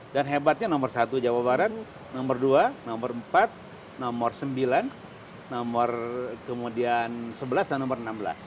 dan hebatnya nomor satu jawa barat nomor dua nomor empat nomor sembilan nomor kemudian sebelas dan nomor enam belas